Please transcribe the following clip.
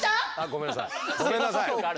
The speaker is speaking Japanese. ごめんなさい。